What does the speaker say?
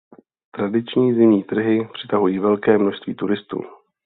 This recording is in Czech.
Tradiční zimní trhy přitahují velké množství turistů.